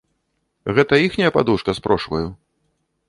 Гэта іхняя падушка з прошваю?